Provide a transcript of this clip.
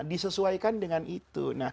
disesuaikan dengan itu